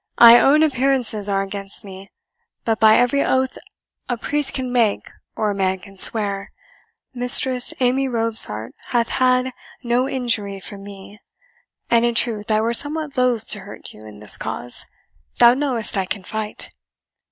I own appearances are against me; but by every oath a priest can make or a man can swear, Mistress Amy Robsart hath had no injury from me. And in truth I were somewhat loath to hurt you in this cause thou knowest I can fight."